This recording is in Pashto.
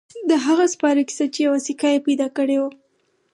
د هغه سپاره کیسه چې یوه سکه يې پیدا کړې وه.